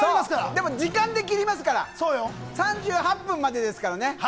でも時間で切りますから３８分までですからね。